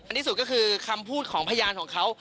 อันนี้สุดก็คือคำพูดของพยานของเขา